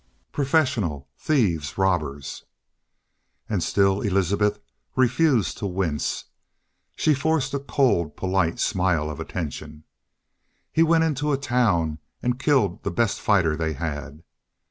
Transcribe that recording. "Professional thieves, robbers!" And still Elizabeth refused to wince. She forced a cold, polite smile of attention. "He went into a town and killed the best fighter they had."